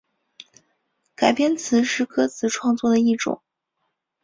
改编词是歌词创作的一种。